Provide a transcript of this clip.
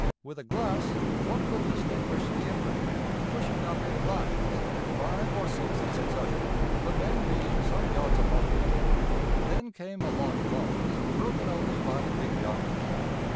With a glass one could distinguish the infantry pushing up in lines, five or six in succession, the men being some yards apart. Then came a long pause, broken only by the big guns.